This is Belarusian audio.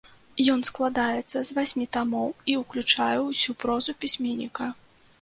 Ён складаецца з васьмі тамоў і ўключае ўсю прозу пісьменніка.